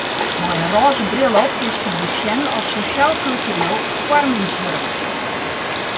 Mei in rôze bril op kinst it besjen as sosjaal-kultureel foarmingswurk.